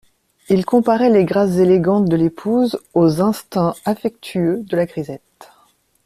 Il comparait les grâces élégantes de l'épouse aux instincts affectueux de la grisette.